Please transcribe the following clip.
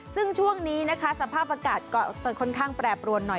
ซึ่งช่วงนี้นะคะสภาพอากาศก็จะค่อนข้างแปรปรวนหน่อย